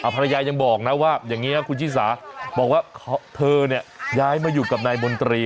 ภรรยายังบอกนะว่าอย่างนี้นะคุณชิสาบอกว่าเธอเนี่ยย้ายมาอยู่กับนายมนตรี